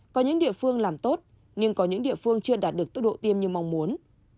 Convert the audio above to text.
có những địa phương làm tốt nhưng có những địa phương chưa đạt được tốc độ tiêm như mong muốn